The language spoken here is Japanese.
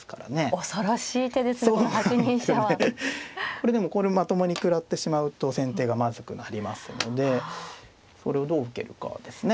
これでもこれをまともに食らってしまうと先手がまずくなりますのでこれをどう受けるかですね